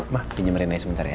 ma pinjem rena ya sebentar ya